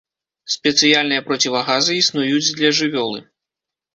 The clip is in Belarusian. Спецыяльныя процівагазы існуюць для жывёлы.